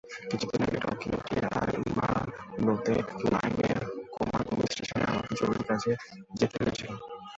কিছুদিন আগে টোকিওর জেআর ইয়ামানোতে লাইনের কোমাগোমে স্টেশনে আমাকে জরুরি কাজে যেতে হয়েছিল।